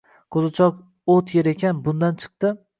Qo‘zichoq o‘t yer ekan, bundan chiqdi